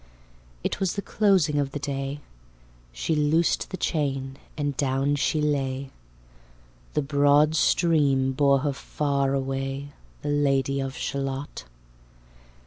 It was the closing of the day, She loosed the chain, and down she lay, The broad stream bore her far away, The Lady of Shalott.